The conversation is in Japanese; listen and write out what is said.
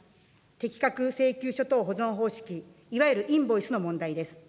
適格請求書等保存方式、いわゆるインボイスの問題です。